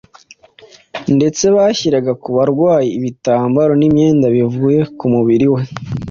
Ndetse bashyiraga ku barwayi ibitambaro n’imyenda bivuye ku mubiri we,